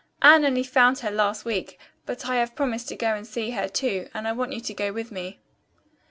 Anne only found her last week, but I have promised to go to see her, too, and I want you to go with me."